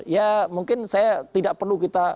ya mungkin saya tidak perlu kita